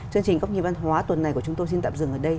chương trình góc nhìn văn hóa tuần này của chúng tôi xin tạm dừng ở đây